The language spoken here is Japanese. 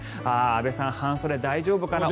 安部さん、半袖、大丈夫かな？